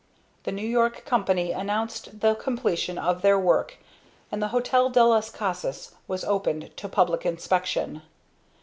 The New York Company announced the completion of their work and the Hotel del las Casas was opened to public inspection.